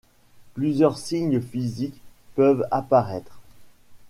Plusieurs signes physiques peuvent apparaître.